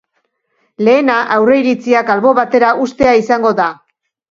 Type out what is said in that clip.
Lehena aurreritziak albo batera uztea izango da.